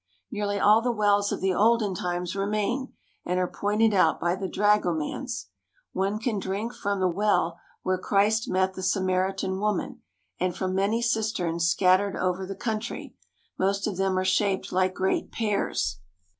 Nearly all the wells of the olden times remain, and are pointed out by the dragomans. One can drink from the well where Christ met the Samaritan, woman, and from many cisterns scattered over the country. Most of them are shaped like great pears.